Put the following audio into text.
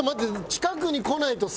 近くに来ないとさ。